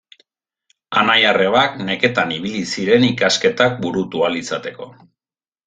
Anai-arrebak neketan ibili ziren ikasketak burutu ahal izateko.